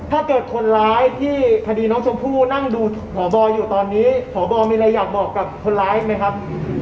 ถ้าเกิดคนร้ายที่คดีน้องชมพู่นั่งดูพบอยู่ตอนนี้พบมีอะไรอยากบอกกับคนร้ายอีกไหมครับ